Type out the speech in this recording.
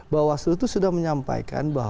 bawaslu itu sudah menyampaikan bahwa